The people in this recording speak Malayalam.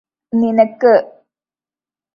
നിനക്ക്